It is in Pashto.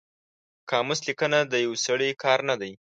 قاموس لیکنه د یو سړي کار نه دی